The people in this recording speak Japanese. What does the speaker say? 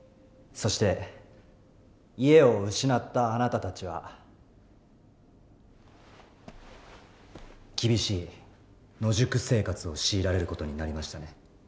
そして家を失ったあなたたちは厳しい野宿生活を強いられる事になりましたね。